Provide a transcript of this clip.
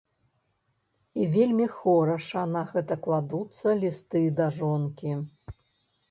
І вельмі хораша на гэта кладуцца лісты да жонкі.